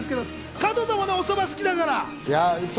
加藤さんもおそば好きだから。